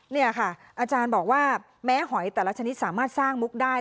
นี่ค่ะอาจารย์บอกว่าแม้หอยแต่ละชนิดสามารถสร้างมุกได้